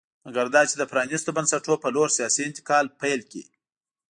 مګر دا چې د پرانېستو بنسټونو په لور سیاسي انتقال پیل کړي